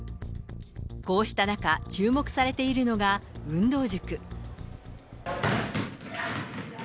こうした中、注目されているのが運動塾。